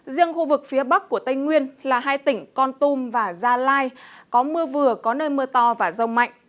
riêng khu vực phía bắc của tây nguyên là hai tỉnh con tum và gia lai có mưa vừa có nơi mưa to và rông mạnh